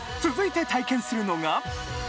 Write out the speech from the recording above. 続いて体験するのが？